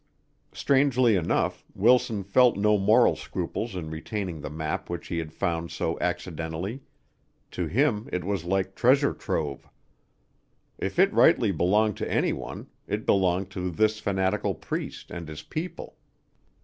Strangely enough, Wilson felt no moral scruples in retaining the map which he had found so accidentally; to him it was like treasure trove. If it rightly belonged to anyone, it belonged to this fanatical priest and his people.